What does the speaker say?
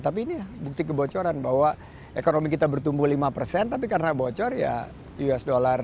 tapi ini bukti kebocoran bahwa ekonomi kita bertumbuh lima persen tapi karena bocor ya usd